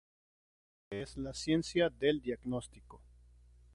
Es la ciencia del diagnóstico.